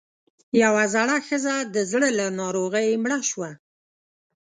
يوه زړه ښځۀ د زړۀ له ناروغۍ مړه شوه